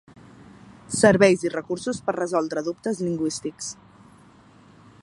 Serveis i recursos per resoldre dubtes lingüístics.